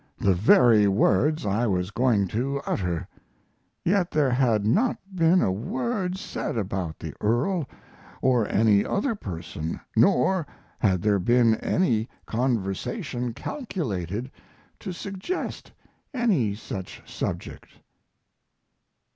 The very words I was going to utter. Yet there had not been a word said about the earl, or any other person, nor had there been any conversation calculated to suggest any such subject.